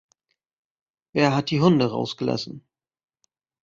Wer hat die Hunde rausgelassen?